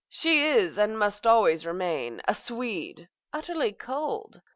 She is, and must always remain, a Swede, utterly cold.